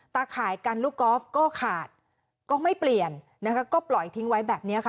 ข่ายกันลูกกอล์ฟก็ขาดก็ไม่เปลี่ยนนะคะก็ปล่อยทิ้งไว้แบบนี้ค่ะ